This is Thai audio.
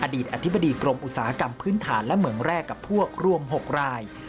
อดีตอธิบดีกรมอุตสาหกรรมพื้นฐานและเหมืองแรกกับพวกรวม๖ราย